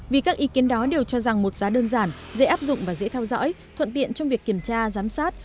vì các ý kiến đó đều cho rằng một giá đơn giản dễ áp dụng và dễ theo dõi thuận tiện trong việc kiểm tra giám sát